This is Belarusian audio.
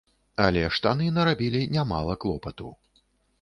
Але штаны нарабілі нямала клопату.